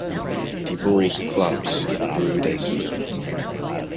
De Boules clubs Grude, Sv.